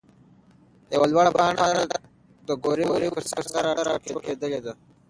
يوه لوړه پاڼه د ګورې ونې پر څانګه راټوکېدلې ده.